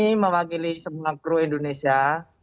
ini mewakili semua pro indonesia